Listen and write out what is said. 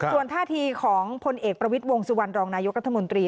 ส่วนท่าทีของพลเอกประวิทย์วงสุวรรณรองนายกรัฐมนตรี